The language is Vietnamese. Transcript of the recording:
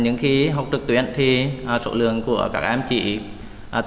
nhưng khi học trực tuyến thì số lượng của các em là ba mươi